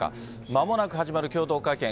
まもなく始まる共同会見。